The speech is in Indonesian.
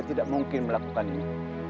tidak mungkin melakukan ini